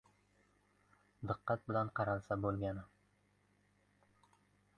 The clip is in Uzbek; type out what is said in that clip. – Diqqat bilan qaralsa boʻlgani.